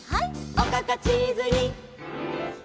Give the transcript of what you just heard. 「おかかチーズにきめた！」